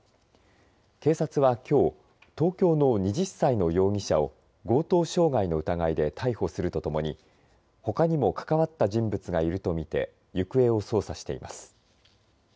警察はきょう東京の２０歳の容疑者を強盗傷害の疑いで逮捕するとともにほかにも関わった人物がいると見て行方を捜査しています。